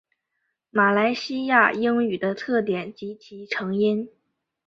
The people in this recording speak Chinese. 马来西亚英语的特点及其成因